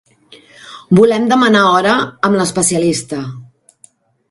Volem demanar hora amb l'especialista.